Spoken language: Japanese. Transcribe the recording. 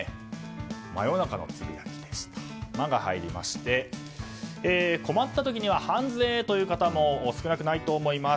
真夜中のつぶやきの「マ」が入りまして困った時にはハンズへという方も少なくないと思います。